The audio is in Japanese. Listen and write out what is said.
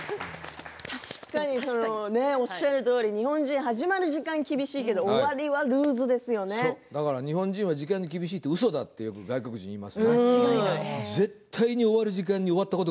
確かに、おっしゃるとおり日本人、始まる時間は厳しいけど日本人は時間に厳しいのはうそだと外国人は言います。